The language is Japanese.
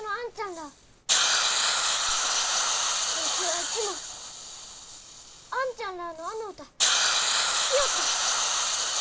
らあわしはいつもあんちゃんらあのあの歌聴きよった。